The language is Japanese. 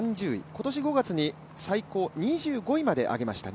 今年５月に最高２５位まで上げました。